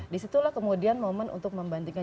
disitulah kemudian momen untuk membandingkan